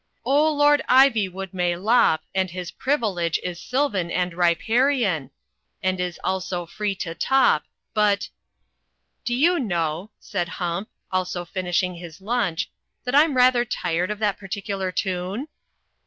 "O, Lord Ivywood may lop. And his privilege is sylvan and riparian; And is also free to top, But :' "Do you know," said Hump, also finishing his lunch, "that I'm rather tired of that particular tune?"